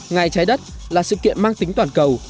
ngày trái đất là sự kiện mang tính toàn cầu